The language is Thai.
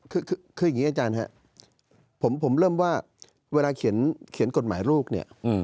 คืออย่างนี้อาจารย์ครับผมเริ่มว่าเวลาเขียนกฎหมายลูกเนี่ย